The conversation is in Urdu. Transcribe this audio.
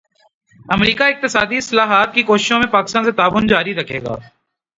امریکا اقتصادی اصلاحات کی کوششوں میں پاکستان سے تعاون جاری رکھے گا